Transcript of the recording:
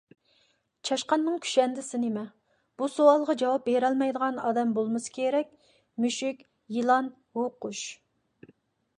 چاشقاننىڭ كۈشەندىسى نېمە؟ بۇ سوئالغان جاۋاب بېرەلمەيدىغان ئادەم بولمىسا كېرەك: مۈشۈك، يىلان، ھۇۋقۇش.